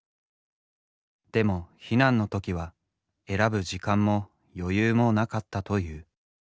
でも避難の時は選ぶ時間も余裕もなかったという。